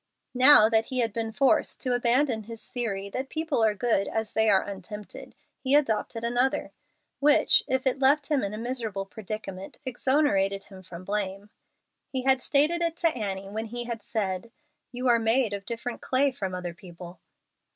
Now that he had been forced to abandon his theory that people are good as they are untempted, he adopted another, which, if it left him in a miserable predicament, exonerated him from blame. He had stated it to Annie when he said, "You are made of different clay from other people."